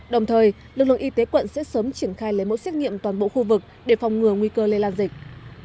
đồng thời lực lượng y tế quận sẽ sớm triển khai lấy mẫu xét nghiệm toàn bộ khu vực để phòng ngừa nguy cơ lây lan dịch